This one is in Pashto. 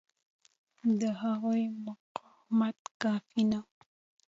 د هغوی مقاومت کافي نه و.